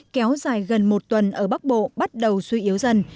kéo dài gần một tuần ở bắc bộ bắt đầu suy yếu dần